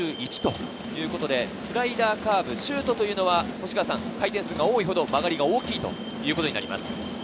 スライダー、カーブ、シュートというのは回転数が多いほど曲がりが大きいということになります。